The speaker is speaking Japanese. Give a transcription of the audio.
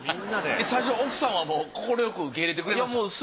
最初奥様もこころよく受け入れてくれますか？